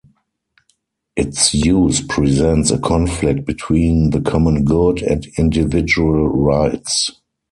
Its use presents a conflict between the common good and individual rights.